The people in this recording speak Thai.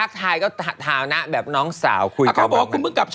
เข้าไปแชร์ว่าโทษ